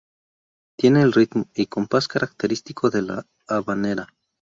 Tiene el ritmo y compás característico de la habanera.